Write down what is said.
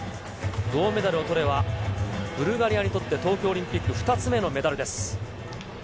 銅メダルをとれば、ブルガリアにとって東京オリンピック２つ目のメダルです。